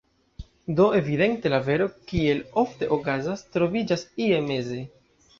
Do evidente, la vero, kiel ofte okazas, troviĝas ie meze.